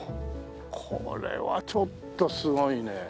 これはちょっとすごいね。